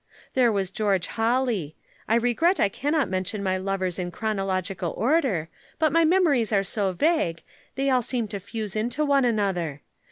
"There was George Holly, I regret I cannot mention my lovers in chronological order, but my memories are so vague, they all seem to fuse into one another.